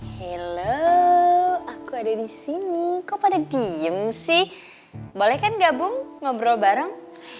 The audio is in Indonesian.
halo aku ada di sini kau pada diem sih boleh kan gabung ngobrol bareng